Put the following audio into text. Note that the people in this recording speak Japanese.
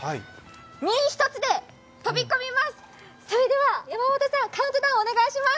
身一つで飛び込みます。